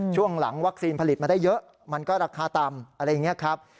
ช่วงหลังวัคซีนผลิตมาได้เยอะมันก็ราคาต่ำอะไรอย่างนี้ครับ